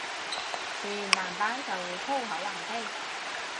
全男班就會粗口橫飛